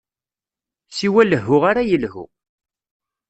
Siwa lehhu ara yelhu.